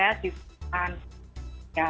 di sekitar ya